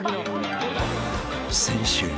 ［先週］